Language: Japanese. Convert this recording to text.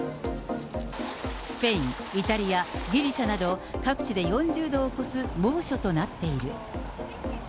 スペイン、イタリア、ギリシャなど、各地で４０度を超す猛暑となっている。